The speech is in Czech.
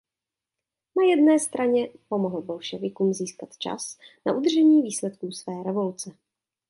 Na straně jedné pomohl bolševikům získat čas na udržení výsledků své revoluce.